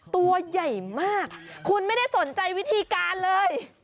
ตัวใหญ่มากคุณไม่ได้สนใจวิธีการเลย